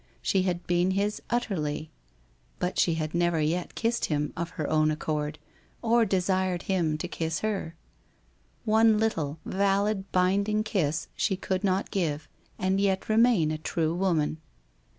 She had been his utterly, but she had never yet kissed him of her own accord, or desired him to kiss her. One little, valid, binding kiss she could not give, and yet remain a true woman